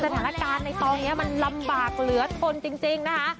สถานการณ์ในตอนนี้มันลำบากเหลือทนจริงนะคะ